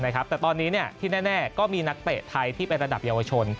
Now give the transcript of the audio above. แต่ตอนนี้ที่แน่ก็มีนักเตะไทยที่เป็นระดับเยาวชน